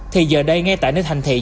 thì giờ đây nghe tại nơi thành thị